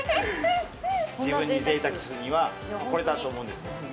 自分にぜいたくするには、これだと思うんですよ。